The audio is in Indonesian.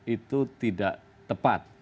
itu tidak tepat